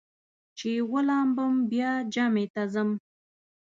چې ولامبم بیا جمعې ته ځم.